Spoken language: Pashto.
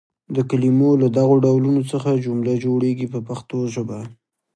د کلمو له دغو ډولونو څخه جمله جوړیږي په پښتو ژبه.